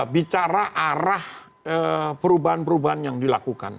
bicara arah perubahan perubahan yang dilakukan